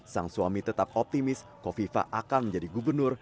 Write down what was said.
sang suami tetap optimis kofifa akan menjadi gubernur